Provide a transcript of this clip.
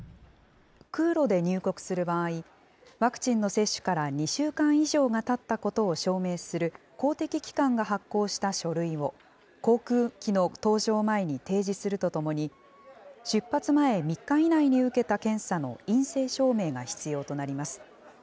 空路で入国する場合、ワクチンの接種から２週間以上がたったことを証明する公的機関が発行した書類を、航空機の搭乗前に提示するとともに、出発前３日以内に受けた検査の陰性証明が必要となります。